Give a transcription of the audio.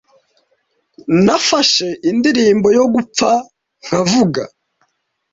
Nafashe indirimbo yo gupfa, nkavuga